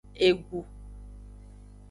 Egu.